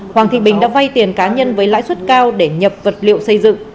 hoàng thị bình đã vay tiền cá nhân với lãi suất cao để nhập vật liệu xây dựng